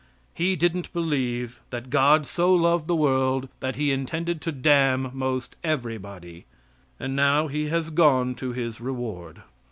He didn't believe that God so loved the world that He intended to damn most everybody. And now he has gone to his reward.